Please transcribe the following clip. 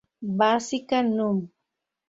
Básica Num.